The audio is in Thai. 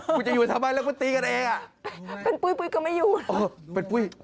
คุณจะอยู่ทำไมแล้วคุณตีกันเองอ่ะเป็นปุ้ยปุ้ยก็ไม่อยู่เออเป็นปุ้ย